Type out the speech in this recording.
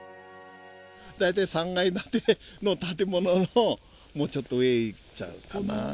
大体３階建ての建物のもうちょっと上へいっちゃうかな。